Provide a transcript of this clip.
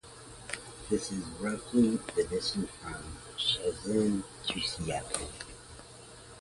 This is roughly the distance from Shenzhen to Seattle.